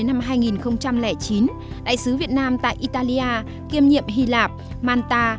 năm hai nghìn năm hai nghìn chín đại sứ việt nam tại italia kiềm nhiệm hy lạp malta